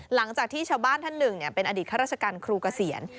หลังจากที่ชาวบ้านท่านหนึ่งเป็นอดีตข้าราชการครูเกษียณ